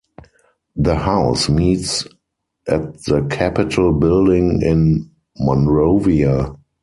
The House meets at the Capitol Building in Monrovia.